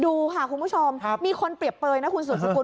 ดูค่ะคุณผู้ชมมีคนเปรียบเปยนะคุณสูตรสูตรคุณ